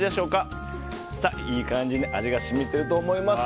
いい感じに味が染みていると思います。